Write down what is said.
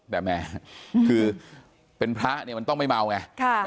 แต่แม่คือเป็นพระมันต้องไม่เมาไง